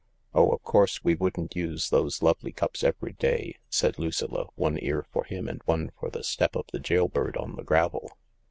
" Oh, of course we wouldn't use those lovely cups every day," said Lucilla, one ear for him and one for the step of the jail bird on the gravel.